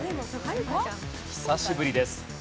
久しぶりです。